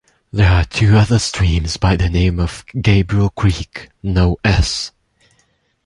There are two other streams by the name of Gabriel Creek (no s).